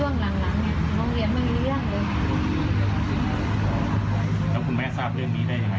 โรงเรียนไม่มีเรื่องเลยแล้วคุณแม่ทราบเรื่องนี้ได้ยังไง